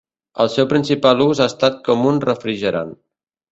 El seu principal ús ha estat com un refrigerant.